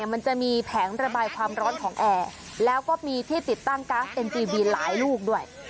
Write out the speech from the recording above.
มันจะมีแผงระบายความร้อนของแอร์แล้วก็มีที่ติดตั้งก๊าซเอ็นจีวีนหลายลูกด้วย